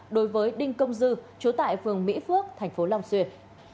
đối với đinh công dư trú tại phường mỹ phước thành phố long xuyên